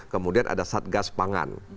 kemudian ada satgas pangan